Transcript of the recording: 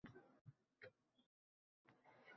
feodalizmga barham berildi.